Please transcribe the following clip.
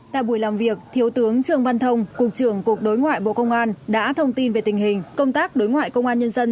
tại buổi làm việc thiếu tướng trường văn thông cục trưởng cục đối ngoại bộ công an đã thông tin về tình hình công tác đối ngoại công an nhân dân